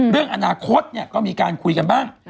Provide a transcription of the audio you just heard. เรื่องอนาคตก็มีการคุยกันบ้าง